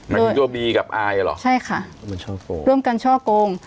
มันมีตัวบีกับอายัดเหรอใช่ค่ะมันช่อกงร่วมกันช่อกง